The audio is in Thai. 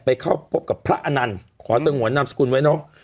เข้าพบกับพระอนันต์ขอสงวนนามสกุลไว้เนอะ